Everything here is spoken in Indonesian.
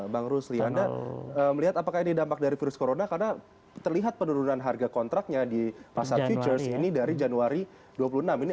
bang rusli anda melihat apakah ini dampak dari virus corona karena terlihat penurunan harga kontraknya di pasar futures ini dari januari dua puluh enam ini artinya saat wabah virus corona mencuat begitu